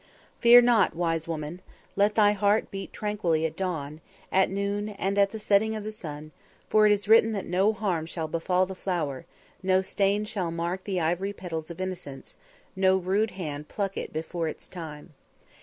"Fear not, wise woman; let thy heart beat tranquilly at dawn, at noon and at the setting of the sun; for it is written that no harm shall befall the flower, no stain shall mark the ivory petals of innocence; no rude hand pluck it before its time.